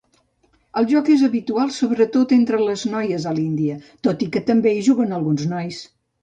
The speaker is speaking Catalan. El joc és habitual sobre tot entre les noies a l'Índia, tot i que també hi juguen alguns nois.